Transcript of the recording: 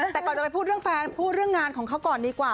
แต่ก่อนจะไปพูดเรื่องแฟนพูดเรื่องงานของเขาก่อนดีกว่า